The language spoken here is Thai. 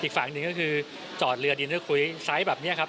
อีกฝั่งหนึ่งก็คือจอดเรือดินเพื่อคุยไซส์แบบนี้ครับ